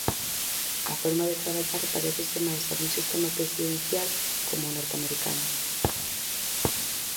A forma de traballar parécese máis á dun sistema presidencial como o norteamericano.